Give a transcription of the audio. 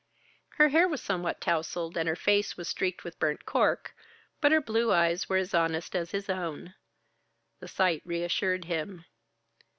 Her hair was somewhat tousled and her face was streaked with burnt cork, but her blue eyes were as honest as his own. The sight reassured him.